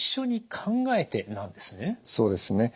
そうですね